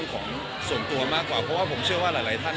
คุณแม่น้องให้โอกาสดาราคนในผมไปเจอคุณแม่น้องให้โอกาสดาราคนในผมไปเจอ